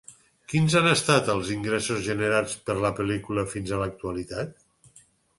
Quins han estat els ingressos generats per la pel·lícula fins a l'actualitat?